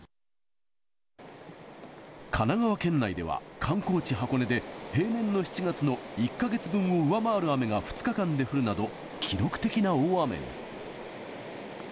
神奈川県内では、観光地、箱根で平年の７月の１か月分を上回る雨が２日間で降るなど、記録的な大雨に。